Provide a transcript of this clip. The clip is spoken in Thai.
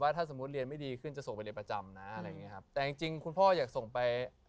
ถ้าสมมุติเรียนไม่ดีขึ้นจะส่งไปเรียนประจำนะอะไรอย่างเงี้ครับแต่จริงจริงคุณพ่ออยากส่งไป